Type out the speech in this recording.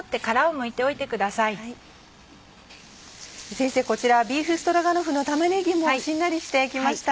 先生こちらビーフストロガノフの玉ねぎもしんなりしてきました。